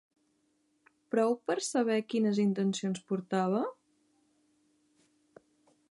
Prou per saber quines intencions portava?